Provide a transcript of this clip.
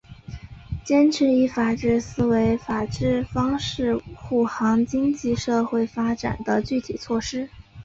坚持以法治思维法治方式护航经济社会发展的具体措施